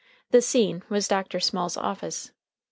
The scene was Dr. Small's office.